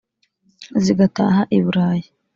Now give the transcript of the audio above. zigataha i bulayi,